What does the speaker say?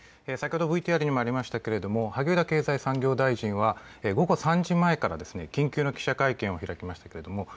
先ほどＶＴＲにもありましたけれども萩生田経済産業大臣は、午後３時前から緊急の記者会見を開きました。